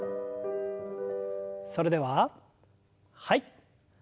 それでははい。